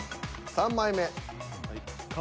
３枚目。